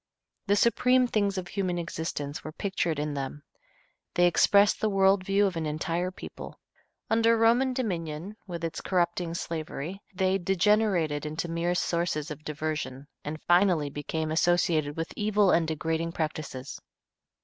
The supreme things of human existence were pictured in them. They expressed the world view of an entire people. Under Roman dominion, with its corrupting slavery, they degenerated into mere sources of diversion, and finally became associated with evil and degrading practices.